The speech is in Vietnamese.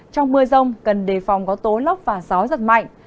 trong mưa rông cần đề phòng có tố lóc và gió rất mạnh